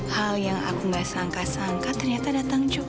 hal yang aku nggak sangka sangka ternyata datang juga